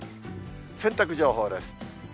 洗濯情報です。